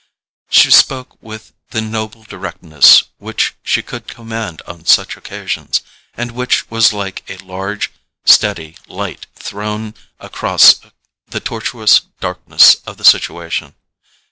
She spoke with the noble directness which she could command on such occasions, and which was like a large steady light thrown across the tortuous darkness of the situation.